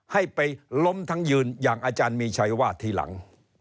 ให้ไปล้มทั้งยืนอย่างอาจารย์มีชัยว่าทีหลัง